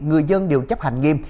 người dân đều chấp hành nghiêm